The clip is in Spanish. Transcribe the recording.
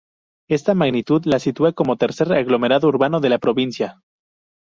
Esta magnitud la sitúa como el tercer aglomerado urbano de la provincia.